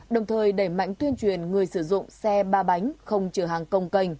đồng thời đẩy mạnh tuyên truyền người sử dụng xe ba bánh không chở hàng công canh